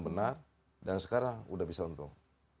benar dan sekarang udah bisa untung